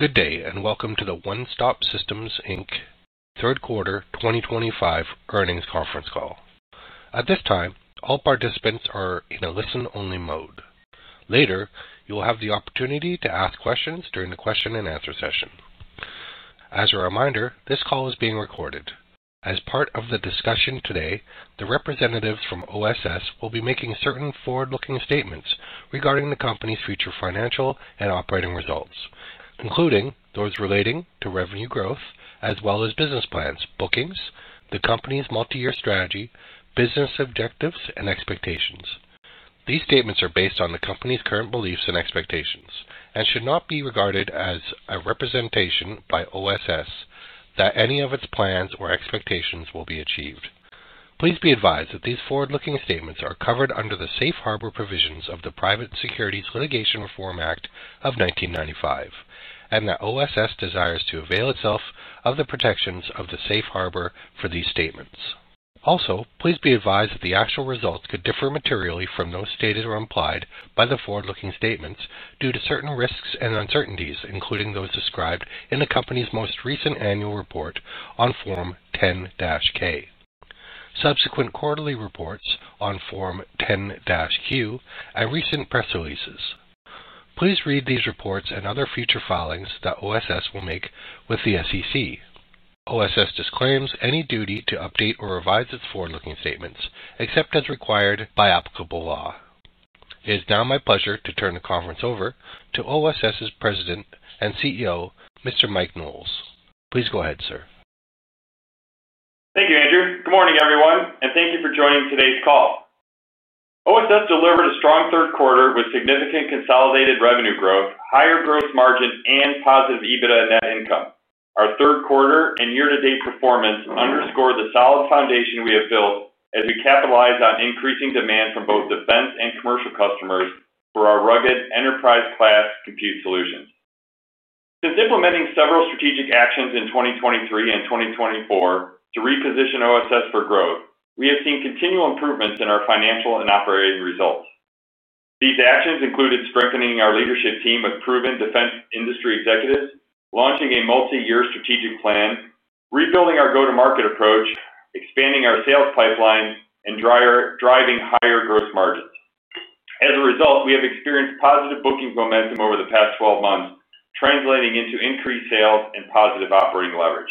Good day and welcome to the One Stop Systems third quarter 2025 earnings conference call. At this time, all participants are in a listen-only mode. Later, you will have the opportunity to ask questions during the question-and-answer session. As a reminder, this call is being recorded. As part of the discussion today, the representatives from OSS will be making certain forward-looking statements regarding the company's future financial and operating results, including those relating to revenue growth as well as business plans, bookings, the company's multi-year strategy, business objectives, and expectations. These statements are based on the company's current beliefs and expectations and should not be regarded as a representation by OSS that any of its plans or expectations will be achieved. Please be advised that these forward-looking statements are covered under the safe harbor provisions of the Private Securities Litigation Reform Act of 1995, and that OSS desires to avail itself of the protections of the safe harbor for these statements. Also, please be advised that the actual results could differ materially from those stated or implied by the forward-looking statements due to certain risks and uncertainties, including those described in the company's most recent annual report on Form 10-K, subsequent quarterly reports on Form 10-Q, and recent press releases. Please read these reports and other future filings that OSS will make with the SEC. OSS disclaims any duty to update or revise its forward-looking statements except as required by applicable law. It is now my pleasure to turn the conference over to OSS's President and CEO, Mr. Mike Knowles. Please go ahead, sir. Thank you, Andrew. Good morning, everyone, and thank you for joining today's call. OSS delivered a strong third quarter with significant consolidated revenue growth, higher gross margin, and positive EBITDA net income. Our third quarter and year-to-date performance underscore the solid foundation we have built as we capitalize on increasing demand from both defense and commercial customers for our rugged enterprise-class compute solutions. Since implementing several strategic actions in 2023 and 2024 to reposition OSS for growth, we have seen continual improvements in our financial and operating results. These actions included strengthening our leadership team with proven defense industry executives, launching a multi-year strategic plan, rebuilding our go-to-market approach, expanding our sales pipeline, and driving higher gross margins. As a result, we have experienced positive bookings momentum over the past 12 months, translating into increased sales and positive operating leverage.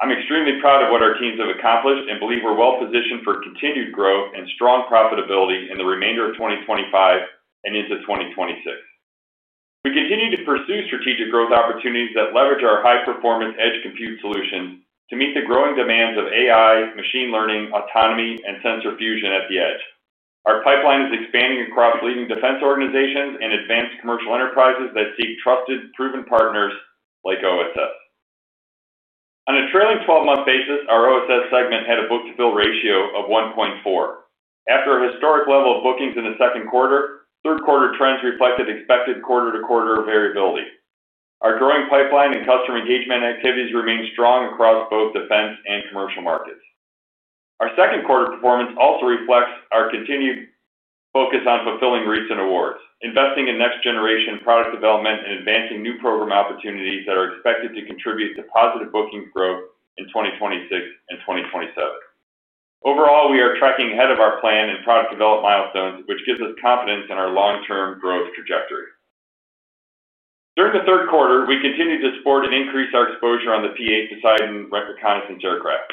I'm extremely proud of what our teams have accomplished and believe we're well-positioned for continued growth and strong profitability in the remainder of 2025 and into 2026. We continue to pursue strategic growth opportunities that leverage our high-performance edge compute solutions to meet the growing demands of AI, machine learning, autonomy, and sensor fusion at the edge. Our pipeline is expanding across leading defense organizations and advanced commercial enterprises that seek trusted, proven partners like OSS. On a trailing 12-month basis, our OSS segment had a book-to-bill ratio of 1.4. After a historic level of bookings in the second quarter, third-quarter trends reflected expected quarter-to-quarter variability. Our growing pipeline and customer engagement activities remain strong across both defense and commercial markets. Our second-quarter performance also reflects our continued focus on fulfilling recent awards, investing in next-generation product development, and advancing new program opportunities that are expected to contribute to positive bookings growth in 2026 and 2027. Overall, we are tracking ahead of our plan and product development milestones, which gives us confidence in our long-term growth trajectory. During the third quarter, we continued to support and increase our exposure on the P-8 Poseidon reconnaissance aircraft.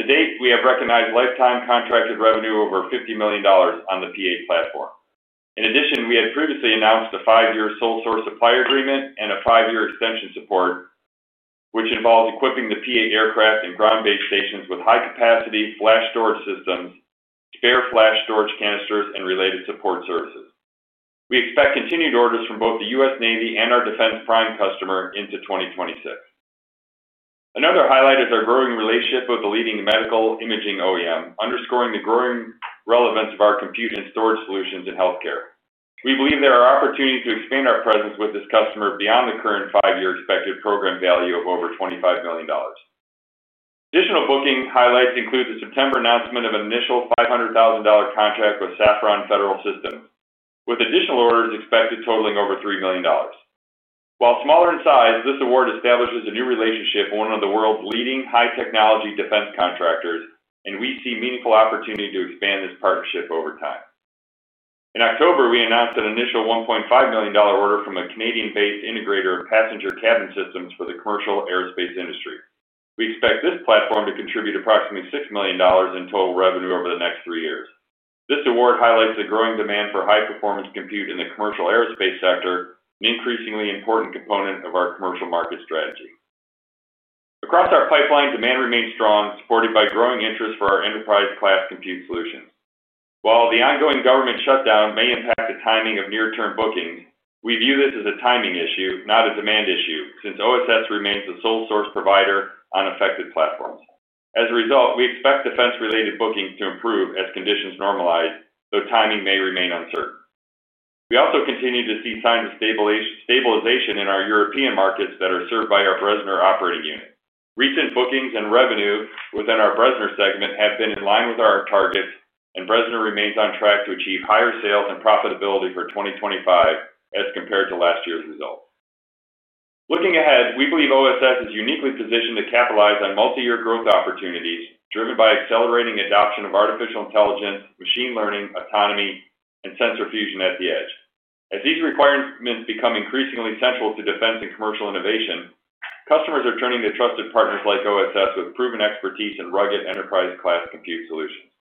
To date, we have recognized lifetime contracted revenue over $50 million on the P-8 platform. In addition, we had previously announced a five-year sole-source supply agreement and a five-year extension support, which involves equipping the P-8 aircraft and ground-based stations with high-capacity flash storage systems, spare flash storage canisters, and related support services. We expect continued orders from both the U.S. Navy and our defense prime customer into 2026. Another highlight is our growing relationship with the leading medical imaging OEM, underscoring the growing relevance of our compute and storage solutions in healthcare. We believe there are opportunities to expand our presence with this customer beyond the current five-year expected program value of over $25 million. Additional booking highlights include the September announcement of an initial $500,000 contract with Safran Federal Systems, with additional orders expected totaling over $3 million. While smaller in size, this award establishes a new relationship with one of the world's leading high-technology defense contractors, and we see meaningful opportunity to expand this partnership over time. In October, we announced an initial $1.5 million order from a Canadian-based integrator of passenger cabin systems for the commercial aerospace industry. We expect this platform to contribute approximately $6 million in total revenue over the next three years. This award highlights the growing demand for high-performance compute in the commercial aerospace sector, an increasingly important component of our commercial market strategy. Across our pipeline, demand remains strong, supported by growing interest for our enterprise-class compute solutions. While the ongoing government shutdown may impact the timing of near-term bookings, we view this as a timing issue, not a demand issue, since OSS remains the sole source provider on affected platforms. As a result, we expect defense-related bookings to improve as conditions normalize, though timing may remain uncertain. We also continue to see signs of stabilization in our European markets that are served by our Bressner operating unit. Recent bookings and revenue within our Bressner segment have been in line with our targets, and Bressner remains on track to achieve higher sales and profitability for 2025 as compared to last year's results. Looking ahead, we believe OSS is uniquely positioned to capitalize on multi-year growth opportunities driven by accelerating adoption of artificial intelligence, machine learning, autonomy, and sensor fusion at the edge. As these requirements become increasingly central to defense and commercial innovation, customers are turning to trusted partners like OSS with proven expertise in rugged enterprise-class compute solutions.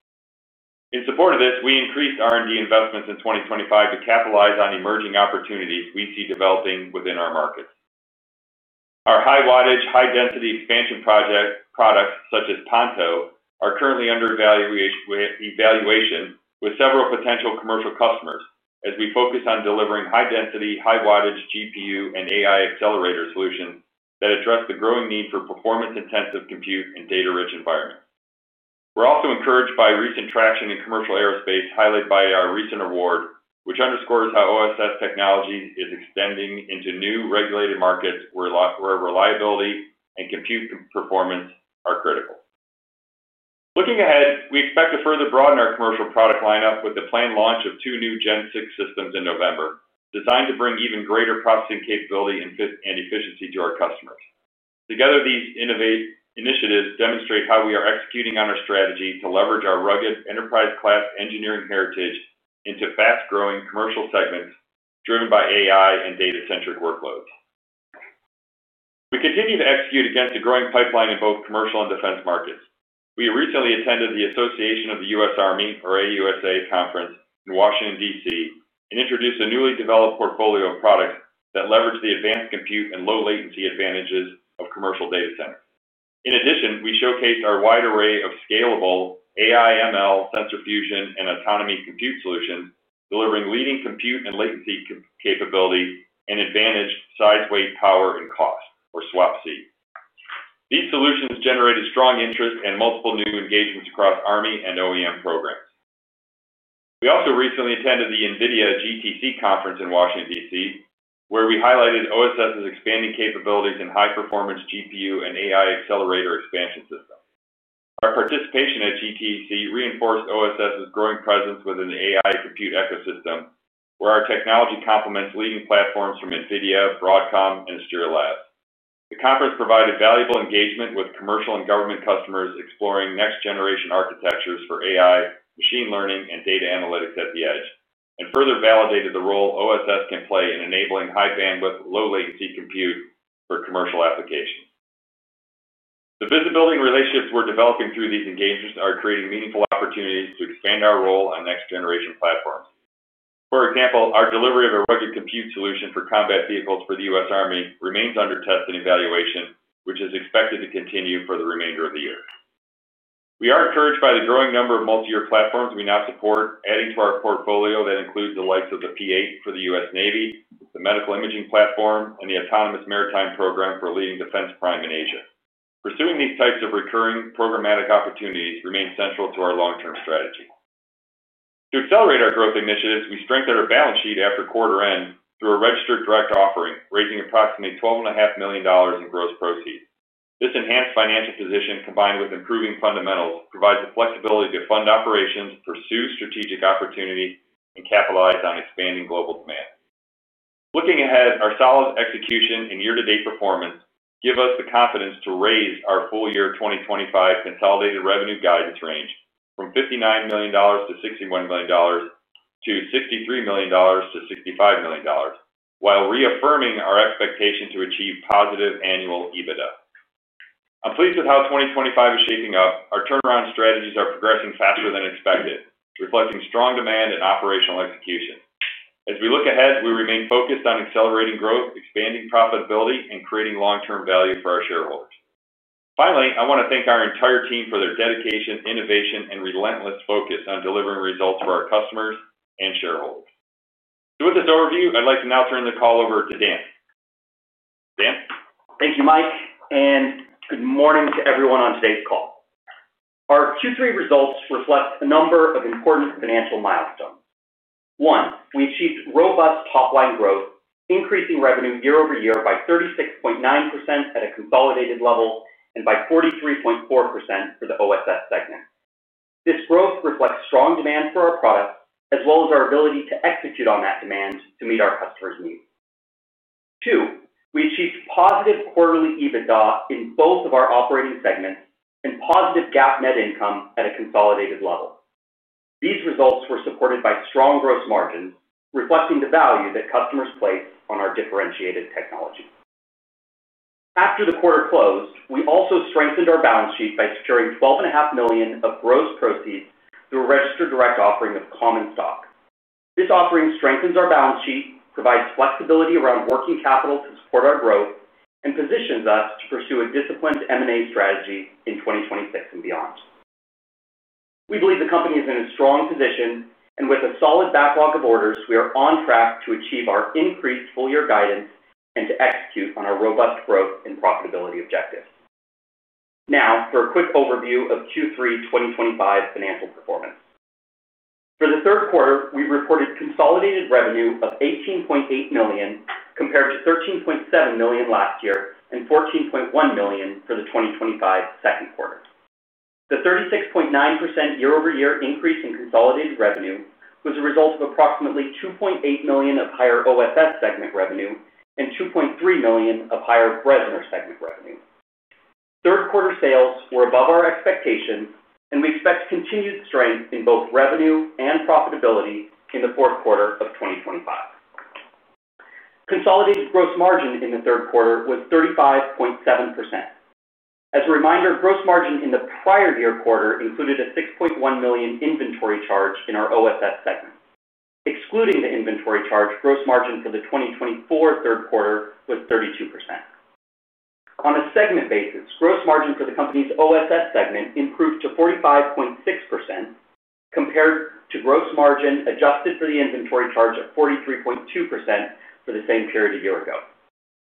In support of this, we increased R&D investments in 2025 to capitalize on emerging opportunities we see developing within our markets. Our high-wattage, high-density expansion products, such as Ponto, are currently under evaluation with several potential commercial customers as we focus on delivering high-density, high-wattage GPU and AI accelerator solutions that address the growing need for performance-intensive compute and data-rich environments. We're also encouraged by recent traction in commercial aerospace highlighted by our recent award, which underscores how OSS technology is extending into new regulated markets where reliability and compute performance are critical. Looking ahead, we expect to further broaden our commercial product lineup with the planned launch of two new Gen 6 systems in November, designed to bring even greater processing capability and efficiency to our customers. Together, these innovative initiatives demonstrate how we are executing on our strategy to leverage our rugged enterprise-class engineering heritage into fast-growing commercial segments driven by AI and data-centric workloads. We continue to execute against a growing pipeline in both commercial and defense markets. We recently attended the Association of the U.S. Army, or AUSA, conference in Washington, DC, and introduced a newly developed portfolio of products that leverage the advanced compute and low-latency advantages of commercial data centers. In addition, we showcased our wide array of scalable AI/ML, sensor fusion, and autonomy compute solutions, delivering leading compute and latency capability and advantaged size, weight, power, and cost, or SWaP-C. These solutions generated strong interest and multiple new engagements across Army and OEM programs. We also recently attended the NVIDIA GTC conference in Washington, DC, where we highlighted OSS's expanding capabilities in high-performance GPU and AI accelerator expansion systems. Our participation at GTC reinforced OSS's growing presence within the AI compute ecosystem, where our technology complements leading platforms from NVIDIA, Broadcom, and Astera Labs. The conference provided valuable engagement with commercial and government customers exploring next-generation architectures for AI, machine learning, and data analytics at the edge, and further validated the role OSS can play in enabling high-bandwidth, low-latency compute for commercial applications. The visibility and relationships we're developing through these engagements are creating meaningful opportunities to expand our role on next-generation platforms. For example, our delivery of a rugged compute solution for combat vehicles for the U.S. Army remains under test and evaluation, which is expected to continue for the remainder of the year. We are encouraged by the growing number of multi-year platforms we now support, adding to our portfolio that includes the likes of the P-8 for the U.S. Navy, the medical imaging platform, and the autonomous maritime program for leading defense prime in Asia. Pursuing these types of recurring programmatic opportunities remains central to our long-term strategy. To accelerate our growth initiatives, we strengthened our balance sheet after quarter-end through a registered direct offering, raising approximately $12.5 million in gross proceeds. This enhanced financial position, combined with improving fundamentals, provides the flexibility to fund operations, pursue strategic opportunity, and capitalize on expanding global demand. Looking ahead, our solid execution and year-to-date performance give us the confidence to raise our full-year 2025 consolidated revenue guidance range from $59 million-$61 million to $63 million-$65 million, while reaffirming our expectation to achieve positive annual EBITDA. I'm pleased with how 2025 is shaping up. Our turnaround strategies are progressing faster than expected, reflecting strong demand and operational execution. As we look ahead, we remain focused on accelerating growth, expanding profitability, and creating long-term value for our shareholders. Finally, I want to thank our entire team for their dedication, innovation, and relentless focus on delivering results for our customers and shareholders. With this overview, I'd like to now turn the call over to Dan. Dan. Thank you, Mike. Good morning to everyone on today's call. Our Q3 results reflect a number of important financial milestones. One, we achieved robust top-line growth, increasing revenue year over year by 36.9% at a consolidated level and by 43.4% for the OSS segment. This growth reflects strong demand for our products, as well as our ability to execute on that demand to meet our customers' needs. Two, we achieved positive quarterly EBITDA in both of our operating segments and positive GAAP net income at a consolidated level. These results were supported by strong gross margins, reflecting the value that customers place on our differentiated technology. After the quarter closed, we also strengthened our balance sheet by securing $12.5 million of gross proceeds through a registered direct offering of common stock. This offering strengthens our balance sheet, provides flexibility around working capital to support our growth, and positions us to pursue a disciplined M&A strategy in 2026 and beyond. We believe the company is in a strong position, and with a solid backlog of orders, we are on track to achieve our increased full-year guidance and to execute on our robust growth and profitability objectives. Now, for a quick overview of Q3 2025 financial performance. For the third quarter, we reported consolidated revenue of $18.8 million compared to $13.7 million last year and $14.1 million for the 2025 second quarter. The 36.9% year-over-year increase in consolidated revenue was a result of approximately $2.8 million of higher OSS segment revenue and $2.3 million of higher Bressner segment revenue. Third-quarter sales were above our expectations, and we expect continued strength in both revenue and profitability in the fourth quarter of 2025. Consolidated gross margin in the third quarter was 35.7%. As a reminder, gross margin in the prior year quarter included a $6.1 million inventory charge in our OSS segment. Excluding the inventory charge, gross margin for the 2024 third quarter was 32%. On a segment basis, gross margin for the company's OSS segment improved to 45.6% compared to gross margin adjusted for the inventory charge of 43.2% for the same period a year ago.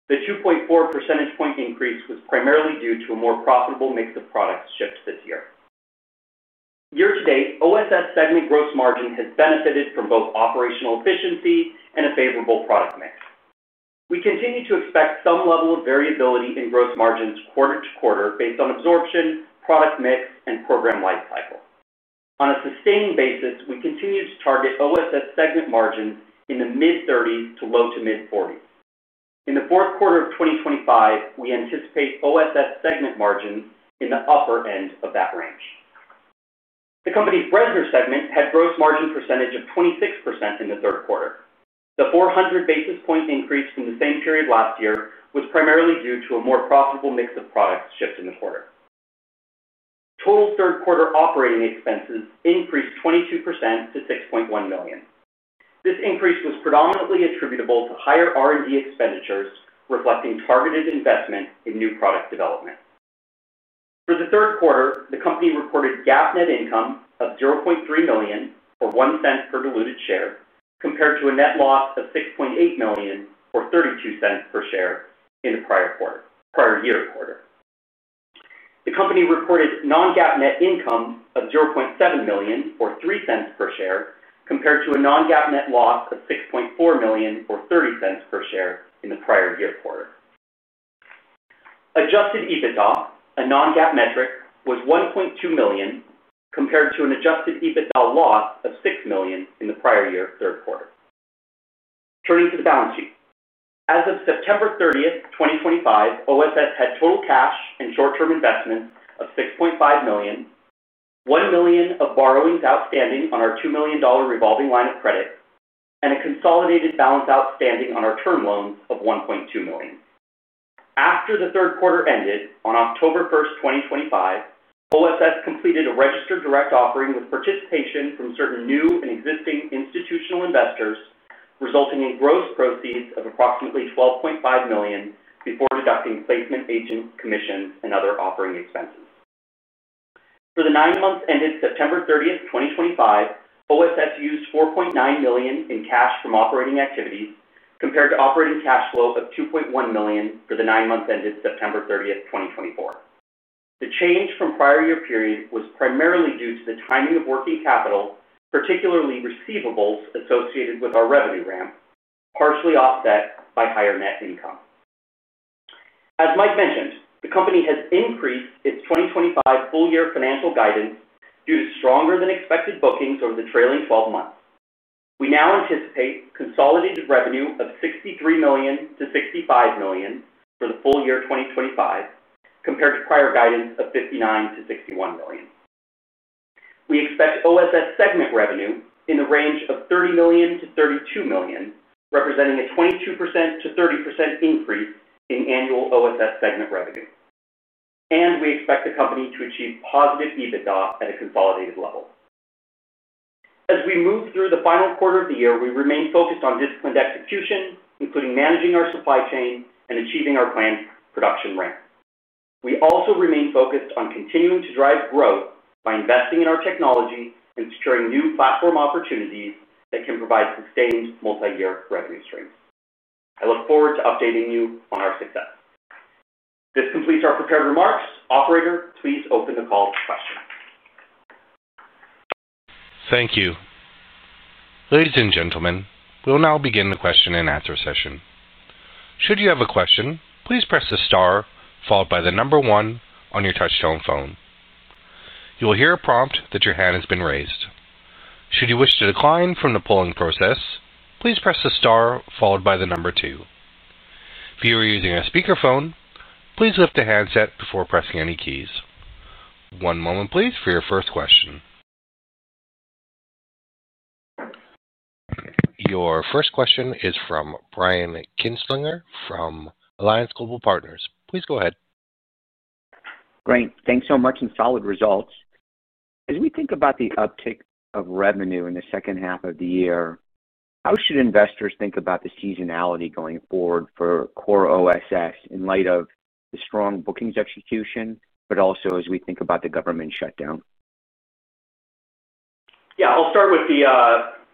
The 2.4 percentage point increase was primarily due to a more profitable mix of products shipped this year. Year to date, OSS segment gross margin has benefited from both operational efficiency and a favorable product mix. We continue to expect some level of variability in gross margins quarter to quarter based on absorption, product mix, and program lifecycle. On a sustained basis, we continue to target OSS segment margins in the mid-30s to low to mid-40s. In the fourth quarter of 2025, we anticipate OSS segment margins in the upper end of that range. The company's Bressner segment had a gross margin percentage of 26% in the third quarter. The 400 basis point increase in the same period last year was primarily due to a more profitable mix of products shipped in the quarter. Total third-quarter operating expenses increased 22% to $6.1 million. This increase was predominantly attributable to higher R&D expenditures, reflecting targeted investment in new product development. For the third quarter, the company reported GAAP net income of $0.3 million, or 1 cent per diluted share, compared to a net loss of $6.8 million, or 32 cents per share, in the prior quarter. The company reported non-GAAP net income of $0.7 million, or 3 cents per share, compared to a non-GAAP net loss of $6.4 million, or 30 cents per share, in the prior year quarter. Adjusted EBITDA, a non-GAAP metric, was $1.2 million compared to an adjusted EBITDA loss of $6 million in the prior year third quarter. Turning to the balance sheet. As of September 30, 2025, OSS had total cash and short-term investments of $6.5 million, $1 million of borrowings outstanding on our $2 million revolving line of credit, and a consolidated balance outstanding on our term loans of $1.2 million. After the third quarter ended on October 1, 2025, OSS completed a registered direct offering with participation from certain new and existing institutional investors, resulting in gross proceeds of approximately $12.5 million before deducting placement agent commissions and other offering expenses. For the nine months ended September 30, 2025, OSS used $4.9 million in cash from operating activities compared to operating cash flow of $2.1 million for the nine months ended September 30, 2024. The change from the prior year period was primarily due to the timing of working capital, particularly receivables associated with our revenue ramp, partially offset by higher net income. As Mike mentioned, the company has increased its 2025 full-year financial guidance due to stronger-than-expected bookings over the trailing 12 months. We now anticipate consolidated revenue of $63 million-$65 million for the full year 2025 compared to prior guidance of $59 million-$61 million. We expect OSS segment revenue in the range of $30 million-$32 million, representing a 22%-30% increase in annual OSS segment revenue. We expect the company to achieve positive EBITDA at a consolidated level. As we move through the final quarter of the year, we remain focused on disciplined execution, including managing our supply chain and achieving our planned production ramp. We also remain focused on continuing to drive growth by investing in our technology and securing new platform opportunities that can provide sustained multi-year revenue streams. I look forward to updating you on our success. This completes our prepared remarks. Operator, please open the call to questions. Thank you. Ladies and gentlemen, we'll now begin the question and answer session. Should you have a question, please press the star followed by the number one on your touch-tone phone. You will hear a prompt that your hand has been raised. Should you wish to decline from the polling process, please press the star followed by the number two. If you are using a speakerphone, please lift the handset before pressing any keys. One moment, please, for your first question. Your first question is from Brian Kinstlinger from Alliance Global Partners. Please go ahead. Great. Thanks so much and solid results. As we think about the uptick of revenue in the second half of the year, how should investors think about the seasonality going forward for core OSS in light of the strong bookings execution, but also as we think about the government shutdown? Yeah. I'll start with the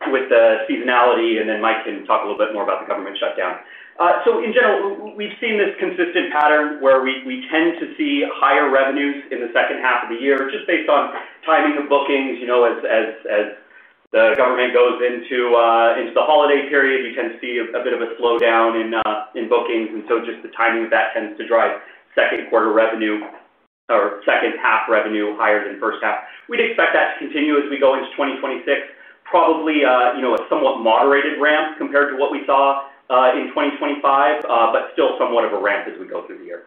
seasonality, and then Mike can talk a little bit more about the government shutdown. In general, we've seen this consistent pattern where we tend to see higher revenues in the second half of the year just based on timing of bookings. As the government goes into the holiday period, you tend to see a bit of a slowdown in bookings. Just the timing of that tends to drive second quarter revenue or second half revenue higher than first half. We'd expect that to continue as we go into 2026, probably a somewhat moderated ramp compared to what we saw in 2025, but still somewhat of a ramp as we go through the year.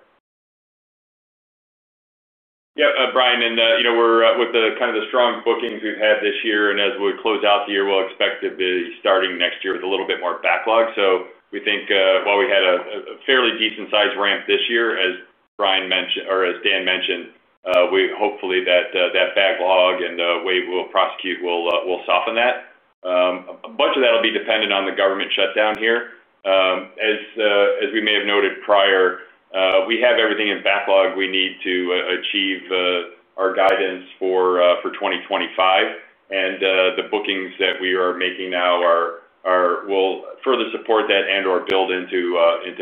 Yeah. Brian, and we're with kind of the strong bookings we've had this year. As we close out the year, we'll expect to be starting next year with a little bit more backlog. We think while we had a fairly decent-sized ramp this year, as Brian mentioned or as Dan mentioned, hopefully that backlog and the way we'll prosecute will soften that. A bunch of that will be dependent on the government shutdown here. As we may have noted prior, we have everything in backlog we need to achieve our guidance for 2025. The bookings that we are making now will further support that and/or build into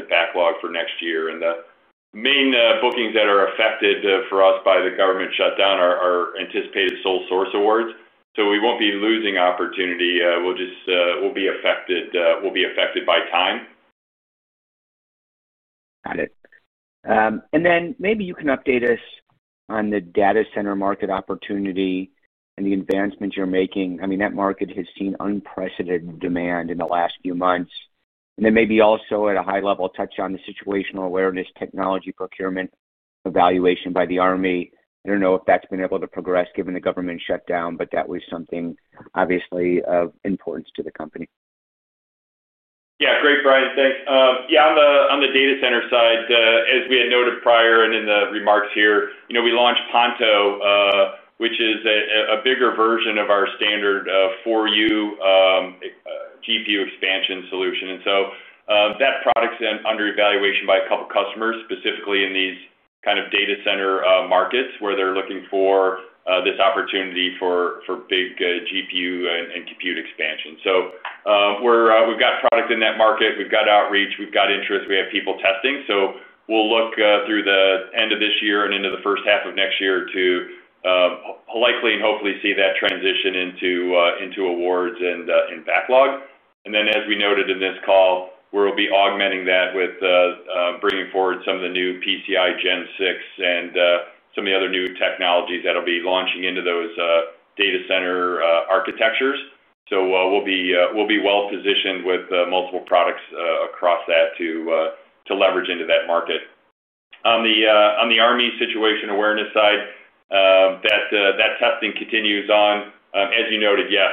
backlog for next year. The main bookings that are affected for us by the government shutdown are anticipated sole source awards. We won't be losing opportunity. We'll just be affected by time. Got it. Maybe you can update us on the data center market opportunity and the advancements you're making. I mean, that market has seen unprecedented demand in the last few months. Maybe also at a high level, touch on the situational awareness technology procurement evaluation by the Army. I don't know if that's been able to progress given the government shutdown, but that was something obviously of importance to the company. Yeah. Great, Brian. Thanks. Yeah. On the data center side, as we had noted prior and in the remarks here, we launched Ponto, which is a bigger version of our standard 4U GPU expansion solution. That product's under evaluation by a couple of customers, specifically in these kind of data center markets where they're looking for this opportunity for big GPU and compute expansion. We've got product in that market. We've got outreach. We've got interest. We have people testing. We will look through the end of this year and into the first half of next year to likely and hopefully see that transition into awards and backlog. As we noted in this call, we will be augmenting that with bringing forward some of the new PCI Gen 6 and some of the other new technologies that will be launching into those data center architectures. We will be well-positioned with multiple products across that to leverage into that market. On the Army situation awareness side, that testing continues on. As you noted, yes,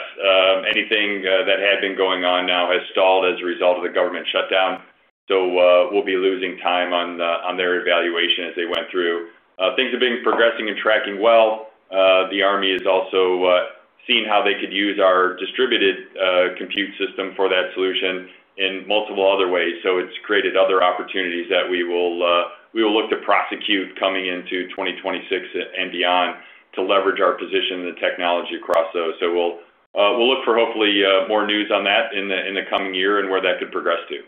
anything that had been going on now has stalled as a result of the government shutdown. We will be losing time on their evaluation as they went through. Things have been progressing and tracking well. The Army has also seen how they could use our distributed compute system for that solution in multiple other ways. It has created other opportunities that we will look to prosecute coming into 2026 and beyond to leverage our position in the technology across those. We will look for hopefully more news on that in the coming year and where that could progress to.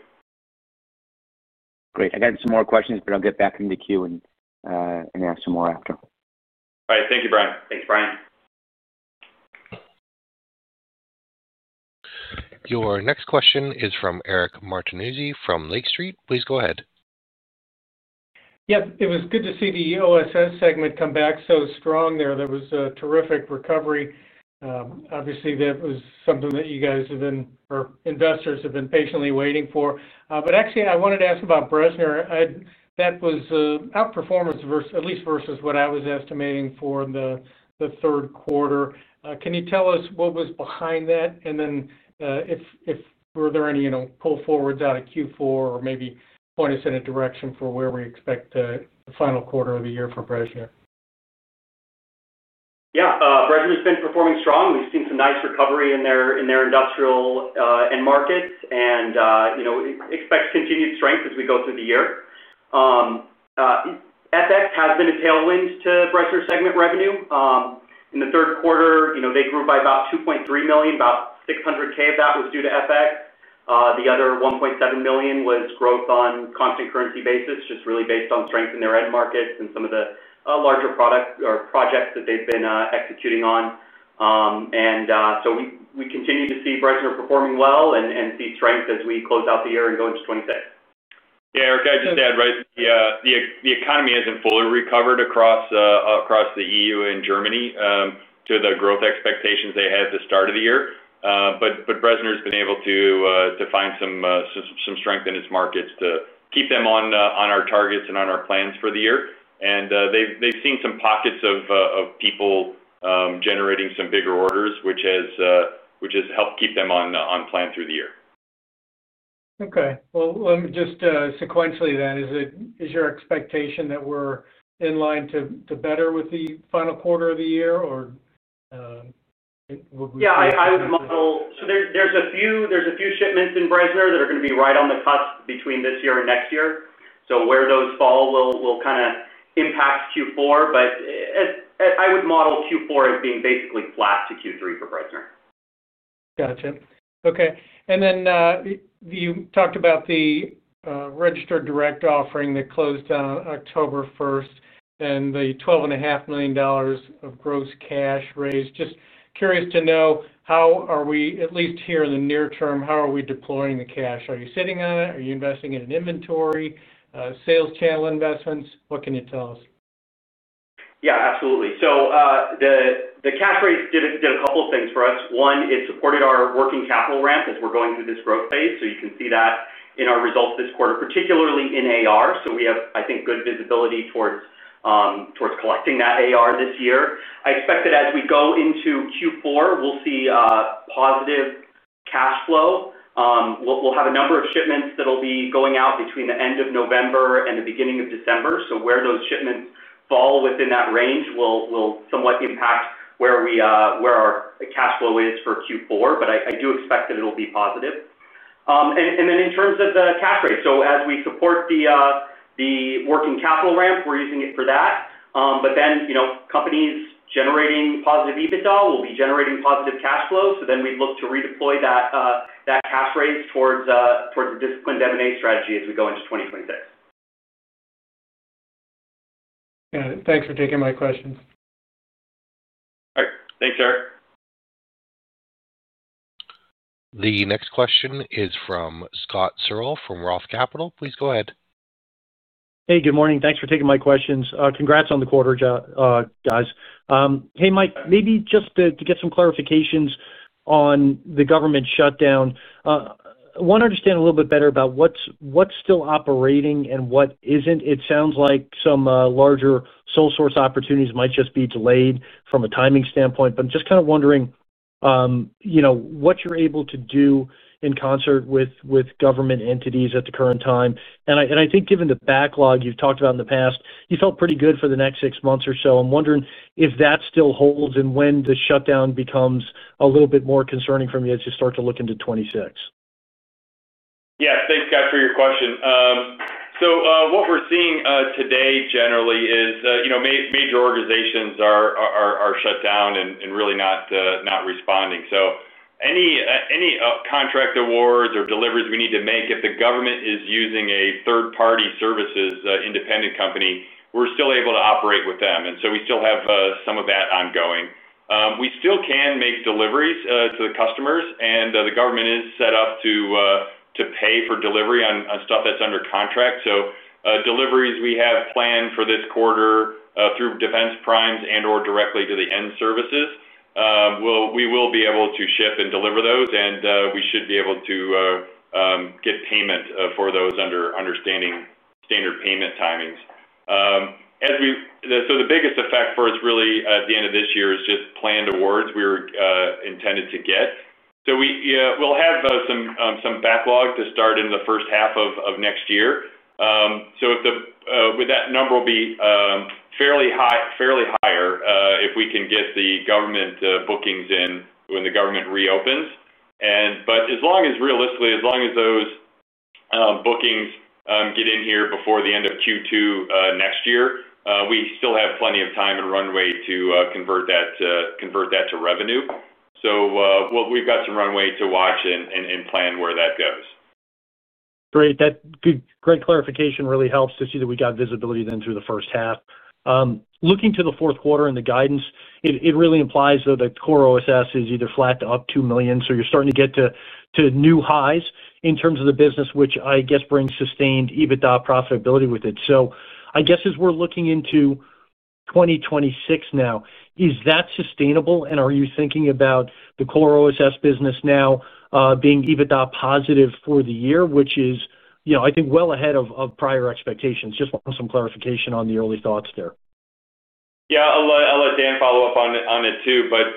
Great. I got some more questions, but I'll get back in the queue and ask some more after. All right. Thank you, Brian. Thanks, Brian. Your next question is from Eric Martinuzzi from Lake Street. Please go ahead. Yep. It was good to see the OSS segment come back so strong there. There was a terrific recovery. Obviously, that was something that you guys have been or investors have been patiently waiting for. Actually, I wanted to ask about Bressner. That was outperforming, at least versus what I was estimating for the third quarter. Can you tell us what was behind that? If there were any pull forwards out of Q4 or maybe point us in a direction for where we expect the final quarter of the year for Bressner? Yeah. Bressner has been performing strong. We've seen some nice recovery in their industrial end markets and. Expect continued strength as we go through the year. FX has been a tailwind to Bressner segment revenue. In the third quarter, they grew by about $2.3 million. About $600,000 of that was due to FX. The other $1.7 million was growth on a constant currency basis, just really based on strength in their end markets and some of the larger products or projects that they've been executing on. We continue to see Bressner performing well and see strength as we close out the year and go into 2026. Yeah. Eric, I'd just add, right, the economy hasn't fully recovered across the EU and Germany to the growth expectations they had at the start of the year. Bressner has been able to find some strength in its markets to keep them on our targets and on our plans for the year. They've seen some pockets of people generating some bigger orders, which has helped keep them on plan through the year. Okay. Just sequentially then, is it your expectation that we're in line to better with the final quarter of the year, or would we? Yeah. I would model so there's a few shipments in Bressner that are going to be right on the cusp between this year and next year. Where those fall will kind of impact Q4. I would model Q4 as being basically flat to Q3 for Bressner. Gotcha. Okay. You talked about the registered direct offering that closed on October 1st and the $12.5 million of gross cash raise. Just curious to know, at least here in the near term, how are we deploying the cash? Are you sitting on it? Are you investing in inventory, sales channel investments? What can you tell us? Yeah. Absolutely. The cash raise did a couple of things for us. One, it supported our working capital ramp as we're going through this growth phase. You can see that in our results this quarter, particularly in AR. We have, I think, good visibility towards collecting that AR this year. I expect that as we go into Q4, we'll see positive cash flow. We'll have a number of shipments that'll be going out between the end of November and the beginning of December. Where those shipments fall within that range will somewhat impact where our cash flow is for Q4. I do expect that it'll be positive. In terms of the cash raise, as we support the working capital ramp, we're using it for that. Companies generating positive EBITDA will be generating positive cash flow. We'd look to redeploy that cash raise towards the disciplined M&A strategy as we go into 2026. Got it. Thanks for taking my questions. All right. Thanks, Eric. The next question is from Scott Searle from Roth Capital. Please go ahead. Hey, good morning. Thanks for taking my questions. Congrats on the quarter, guys. Hey, Mike, maybe just to get some clarifications on the government shutdown. I want to understand a little bit better about what's still operating and what isn't. It sounds like some larger sole source opportunities might just be delayed from a timing standpoint. I'm just kind of wondering what you're able to do in concert with government entities at the current time. And I think given the backlog you've talked about in the past, you felt pretty good for the next six months or so. I'm wondering if that still holds and when the shutdown becomes a little bit more concerning for me as you start to look into 2026. Yeah. Thanks, guys, for your question. What we're seeing today generally is major organizations are shut down and really not responding. Any contract awards or deliveries we need to make, if the government is using a third-party services independent company, we're still able to operate with them. We still have some of that ongoing. We still can make deliveries to the customers, and the government is set up to pay for delivery on stuff that's under contract. Deliveries we have planned for this quarter through Defense Primes and/or directly to the end services, we will be able to ship and deliver those, and we should be able to get payment for those under standard payment timings. The biggest effect for us really at the end of this year is just planned awards we were intended to get. We'll have some backlog to start in the first half of next year. That number will be fairly higher if we can get the government bookings in when the government reopens. As long as, realistically, as long as those bookings get in here before the end of Q2 next year, we still have plenty of time and runway to convert that to revenue. We've got some runway to watch and plan where that goes. Great. Great clarification really helps to see that we got visibility then through the first half. Looking to the fourth quarter and the guidance, it really implies that the core OSS is either flat to up $2 million. So you're starting to get to new highs in terms of the business, which I guess brings sustained EBITDA profitability with it. I guess as we're looking into 2026 now, is that sustainable? And are you thinking about the core OSS business now being EBITDA positive for the year, which is, I think, well ahead of prior expectations? Just want some clarification on the early thoughts there. Yeah. I'll let Dan follow up on it too. But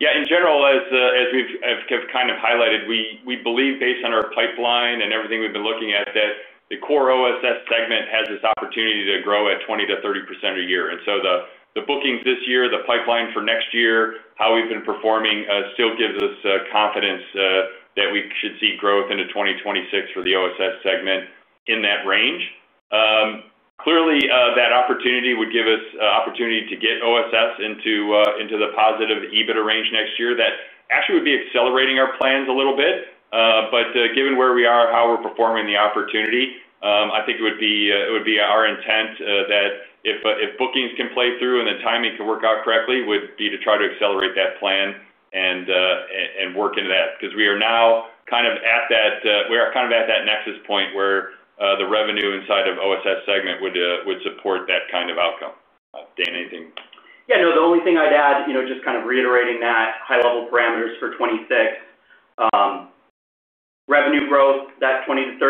yeah, in general, as we've kind of highlighted, we believe based on our pipeline and everything we've been looking at, that the core OSS segment has this opportunity to grow at 20%-30% a year. And so the bookings this year, the pipeline for next year, how we've been performing still gives us confidence that we should see growth into 2026 for the OSS segment in that range. Clearly, that opportunity would give us opportunity to get OSS into the positive EBITDA range next year. That actually would be accelerating our plans a little bit. But given where we are, how we're performing, the opportunity, I think it would be our intent that if bookings can play through and the timing can work out correctly, would be to try to accelerate that plan and. Work into that. Because we are now kind of at that, we are kind of at that nexus point where the revenue inside of OSS segment would support that kind of outcome. Dan, anything? Yeah. No, the only thing I'd add, just kind of reiterating that high-level parameters for 2026. Revenue growth, that 20%-30%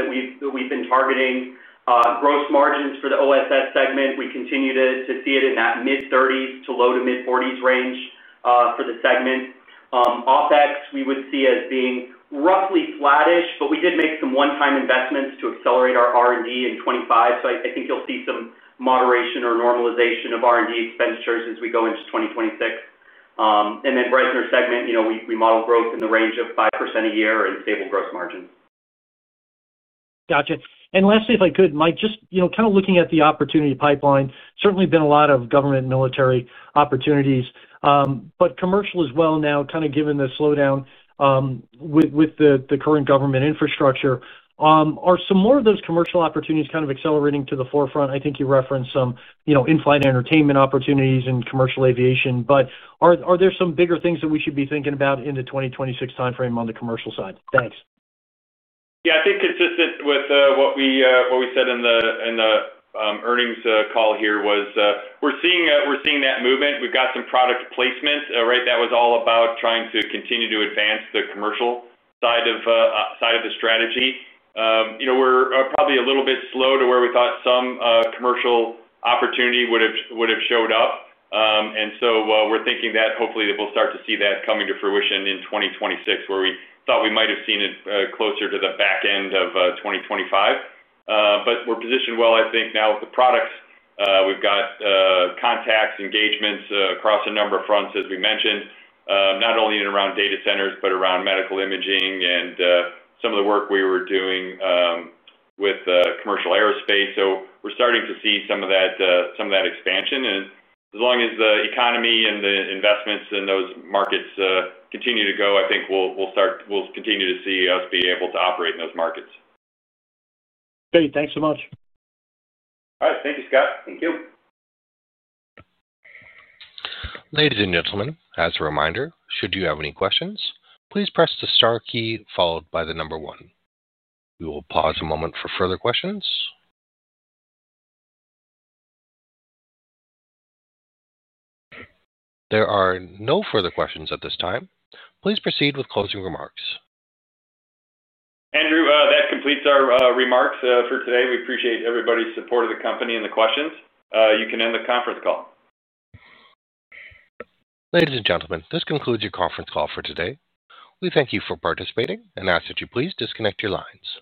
that we've been targeting. Gross margins for the OSS segment, we continue to see it in that mid-30s to low- to mid-40s range for the segment. OpEx we would see as being roughly flattish, but we did make some one-time investments to accelerate our R&D in 2025. I think you'll see some moderation or normalization of R&D expenditures as we go into 2026. Bressner segment, we model growth in the range of 5% a year and stable gross margins. Gotcha. Lastly, if I could, Mike, just kind of looking at the opportunity pipeline, certainly been a lot of government and military opportunities. Commercial as well now, kind of given the slowdown. With the current government infrastructure, are some more of those commercial opportunities kind of accelerating to the forefront? I think you referenced some in-flight entertainment opportunities and commercial aviation. Are there some bigger things that we should be thinking about in the 2026 timeframe on the commercial side? Thanks. Yeah. I think consistent with what we said in the earnings call here was we're seeing that movement. We've got some product placement, right? That was all about trying to continue to advance the commercial side of the strategy. We're probably a little bit slow to where we thought some commercial opportunity would have showed up. We are thinking that hopefully that we'll start to see that coming to fruition in 2026, where we thought we might have seen it closer to the back end of 2025. We are positioned well, I think, now with the products. We've got contacts, engagements across a number of fronts, as we mentioned, not only around data centers, but around medical imaging and some of the work we were doing with commercial aerospace. We are starting to see some of that expansion. As long as the economy and the investments in those markets continue to go, I think we'll continue to see us be able to operate in those markets. Great. Thanks so much. All right. Thank you, Scott. Thank you. Ladies and gentlemen, as a reminder, should you have any questions, please press the star key followed by the number one. We will pause a moment for further questions. There are no further questions at this time. Please proceed with closing remarks. Andrew, that completes our remarks for today. We appreciate everybody's support of the company and the questions. You can end the conference call. Ladies and gentlemen, this concludes your conference call for today. We thank you for participating and ask that you please disconnect your lines.